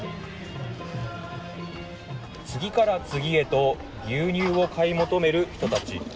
次から次へと牛乳を買い求める人たち。